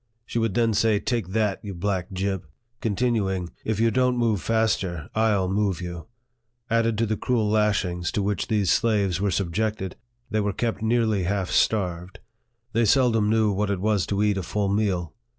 She would then say, " Take that, you Hack gip !" continuing, " If you don't move faster, I'll move you !" Added to the cruel lashings to which these slaves were subjected, they were kept nearly half starved. They seldom knew what it was to eat a full meal.